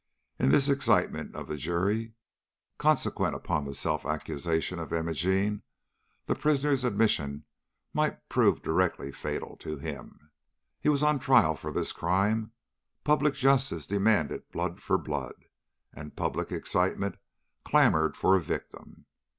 In this excitement of the jury, consequent upon the self accusation of Imogene, the prisoner's admission might prove directly fatal to him. He was on trial for this crime; public justice demanded blood for blood, and public excitement clamored for a victim.